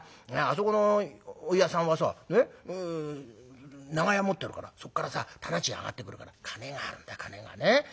そこのお湯屋さんはさ長屋持ってるからそっからさ店賃あがってくるから金があるんだ金がね。